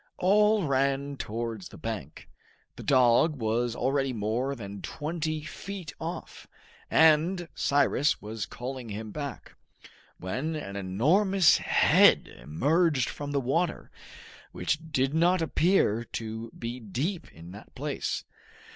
All ran towards the bank. The dog was already more than twenty feet off, and Cyrus was calling him back, when an enormous head emerged from the water, which did not appear to be deep in that place.